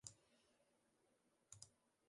Der is juster in heel slim ûngelok bard.